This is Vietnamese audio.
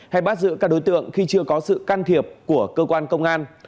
hay bắt giữ các đối tượng khi chưa có sự can thiệp của cơ quan công an